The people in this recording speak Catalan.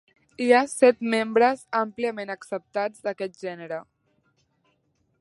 Hi ha set membres àmpliament acceptats d'aquest gènere.